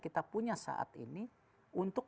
kita punya saat ini untuk